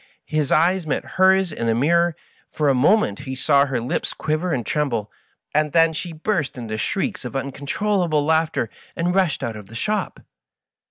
His eyes met hers in the mir ror ; for a moment he saw her lips quiver and tremble, and then she burst into shrieks of uncontrollable laugh ter, and rushed out of the shop.